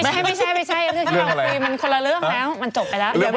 ไม่ใช่ถ้าเราคุยมันคนละเรื่องแล้ว